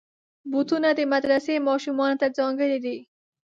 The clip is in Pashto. بوټونه د مدرسې ماشومانو ته ځانګړي دي.